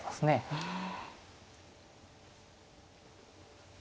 うん。